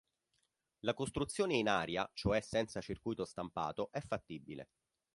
La costruzione in aria, cioè senza circuito stampato è fattibile.